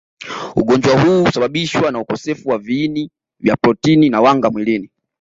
Ugonjwa huu husababishwa na ukosefu wa viini vya protini na wanga mwilini